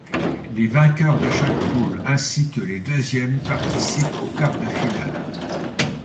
Les vainqueurs de chaque poule ainsi que les deuxièmes participent aux quarts de finale.